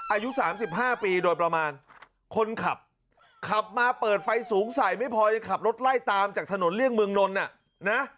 อายุ๓๕ปีโดยประมาณคนขับขับมาเปิดไฟสูงใส่ไม่พอจะขับรถไล่ตามจากถนนเลี่ยงเมืองนนท์น่ะนะ